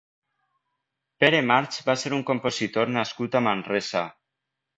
Pere March va ser un compositor nascut a Manresa.